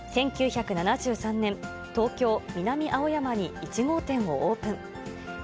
１９７３年、東京・南青山に１号店をオープン。